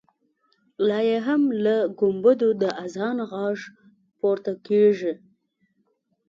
لا یې هم له ګمبدو د اذان غږ پورته کېږي.